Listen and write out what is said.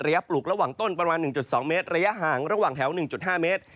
ปลูกระหว่างต้นประมาณ๑๒เมตรระยะห่างระหว่างแถว๑๕เมตร